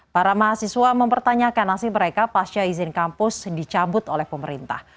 para mahasiswa mempertanyakan nasib mereka pasca izin kampus dicabut oleh pemerintah